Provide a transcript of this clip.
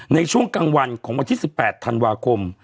ในช่วงกลางวันของวันที่๑๘ธันวาคม